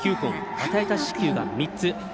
与えた四死球が３つ。